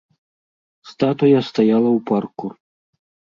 Статуя стаяла ў парку.